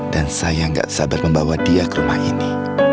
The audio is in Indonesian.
dan saya gak sabar membawa dia ke rumah ini